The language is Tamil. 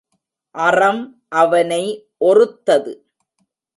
அறம் அவனை ஒறுத்தது.